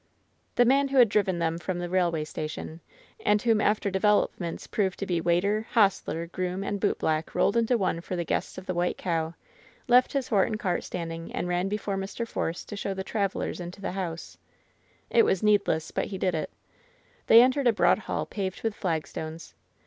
The man who had driven them from the railway station, and whom after developments proved to be waiter, hostler, groom and bootblack rolled into one for 198 LOVE'S BITTEREST CUP the guests of the White Cow, left his horse and cart standing and ran before Mr. Force to show the travel ers into the house. It was needless; but he did it. They entered a broad hall paved with flagstones.